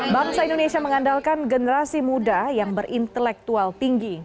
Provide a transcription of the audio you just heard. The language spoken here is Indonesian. bangsa indonesia mengandalkan generasi muda yang berintelektual tinggi